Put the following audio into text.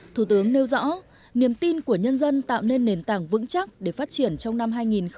thủ tướng nêu rõ niềm tin của nhân dân tạo nên nền tảng vững chắc để phát triển trong năm hai nghìn hai mươi